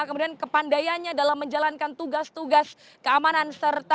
kemudian kepandainya dalam menjalankan tugas tugas keamanan